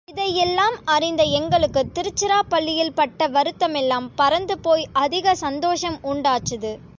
இதை யெல்லாம் அறிந்த எங்களுக்குத் திருச்சிராப்பள்ளியில் பட்ட வருத்தமெல்லாம் பறந்து போய் அதிக சந்தோஷம் உண்டாச்சுது.